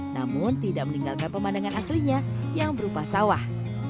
namun tidak meninggalkan pemandangan aslinya yang berupa sawah